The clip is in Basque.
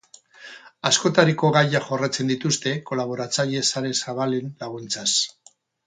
Askotariko gaiak jorratzen dituzte kolaboratzaile sare zabalen laguntzaz.